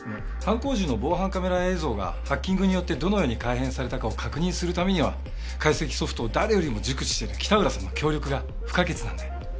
犯行時の防犯カメラ映像がハッキングによってどのように改変されたかを確認するためには解析ソフトを誰よりも熟知している北浦さんの協力が不可欠なんで。